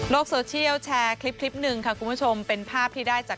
โซเชียลแชร์คลิปคลิปหนึ่งค่ะคุณผู้ชมเป็นภาพที่ได้จาก